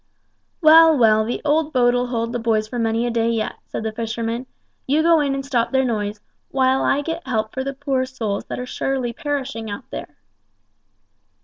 "Well, well, the old boat'll hold the boys for many a day yet," said the fisherman; "you go in and stop their noise, while I get help for the poor souls that are surely perishing out there."